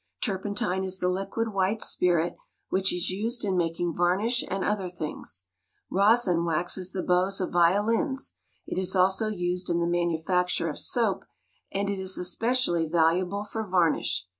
Turpentine is the liquid white spirit which is used in making varnish and other things. Rosin waxes the bows of violins ; it is also used in the 126 THE SOUTH. manufacture of soap, and it is especially valuable for var nish.